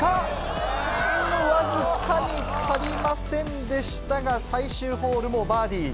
僅かに足りませんでしたが、最終ホールもバーディー。